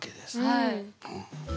はい。